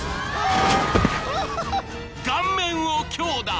［顔面を強打］